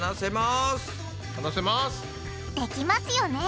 できますよね！